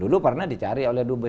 dulu pernah dicari oleh dubes